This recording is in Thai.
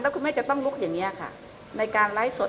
คุณแม่จะต้องลุกอย่างนี้ค่ะในการไลฟ์สด